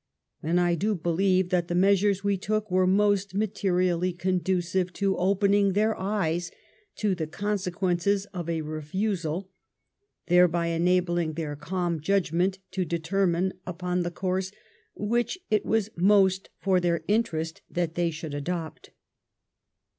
And I do believe that the measures we took were moat materially conducive to opening their eyes to the consequences of a refusal, thereby enabling their calm judgment to determine upon the course which it was most for their interest that they should adopt.